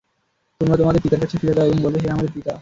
তোমরা তোমাদের পিতার কাছে ফিরে যাও এবং বলবে, হে আমাদের পিতা!